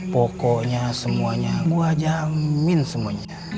pokoknya semuanya gue jamin semuanya